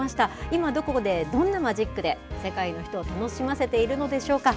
今どこでどんなマジックで、世界の人を楽しませているのでしょうか。